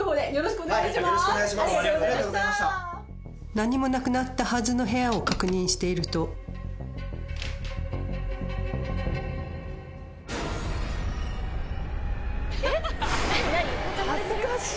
何もなくなったはずの部屋を確認していると恥ずかしい！